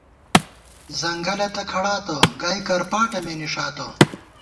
ځنگَلہ تہ کھڑاتہ ، گائی کرپاٹہ مے نِݭاتہ